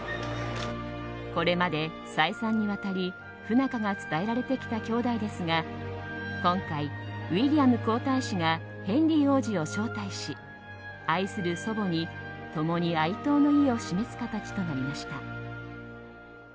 これまで再三にわたり不仲が伝えられてきた兄弟ですが今回、ウィリアム皇太子がヘンリー王子を招待し愛する祖母に、共に哀悼の意を示す形となりました。